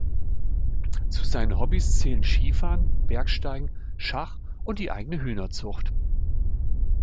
Zu seinen Hobbys zählen Skifahren, Bergsteigen, Schach und die eigene Hühnerzucht.